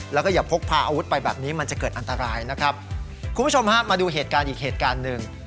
แล้วก็อย่าพกพาอาวุธไปแบบนี้มันจะเกิดอันตรายนะครับคุณผู้ชมฮะมาดูเหตุการณ์อีกเหตุการณ์หนึ่ง